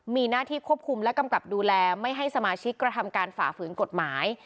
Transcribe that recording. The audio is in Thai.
มีหน้าที่ควบคุมและกำกับดูแลไม่ให้สมาชิกกระทำการฝ่าฝืนกฎหมาย